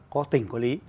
có tình có lý